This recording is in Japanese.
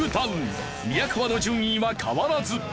宮川の順位は変わらず。